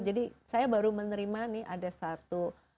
jadi saya baru menerima nih ada satu